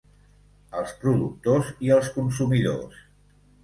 Els productors i els consumidors.